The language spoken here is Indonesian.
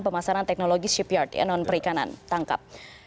pemasaran teknologi cprt non perikanan tangkap